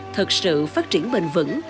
thật sự phát triển bền vững